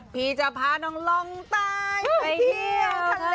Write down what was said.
พี่จะพาน้องลงใต้ไปเที่ยวทะเล